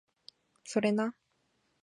それな